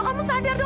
kamu sadar dong